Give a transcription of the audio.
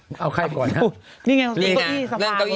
นี้ไงกุพเปย์